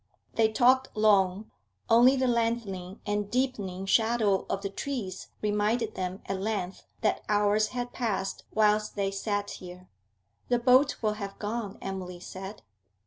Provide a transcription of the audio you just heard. They talked long; only the lengthening and deepening shadow of the trees reminded them at length that hours had passed whilst they sat here. 'The boat will have gone,' Emily said.